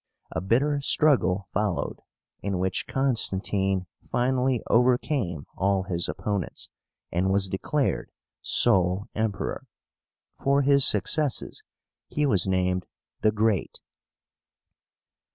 A bitter struggle followed, in which Constantine finally overcame all his opponents, and was declared sole Emperor. For his successes he was named the GREAT.